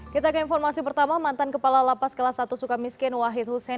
kita ke informasi pertama mantan kepala lapas kelas satu suka miskin wahid hussein